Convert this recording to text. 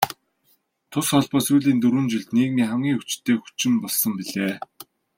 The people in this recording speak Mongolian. Тус холбоо сүүлийн дөрвөн жилд нийгмийн хамгийн хүчтэй хүчин болсон билээ.